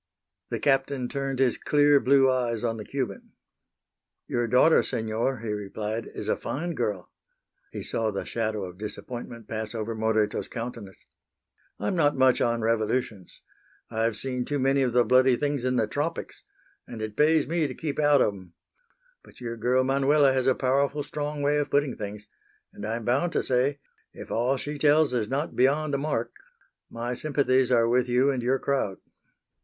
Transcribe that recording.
The Captain turned his clear blue eyes on the Cuban. "Your daughter, Senor," he replied, "is a fine girl." He saw the shadow of disappointment pass over Moreto's countenance. "I'm not much on revolutions. I've seen too many of the bloody things in the tropics, and it pays me to keep out of 'em. But your girl Manuela has a powerful strong way of putting things, and I'm bound to say, if all she tells is not beyond the mark, my sympathies are with you and your crowd."